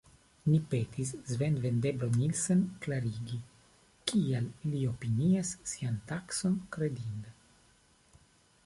Ni petis Svend Vendelbo Nielsen klarigi, kial li opinias sian takson kredinda.